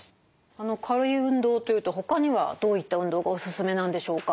軽い運動というとほかにはどういった運動がおすすめなんでしょうか？